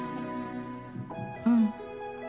うん。